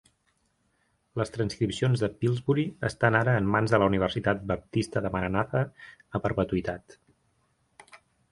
Les transcripcions de Pillsbury estan ara en mans de la Universitat Baptista de Maranatha a perpetuïtat.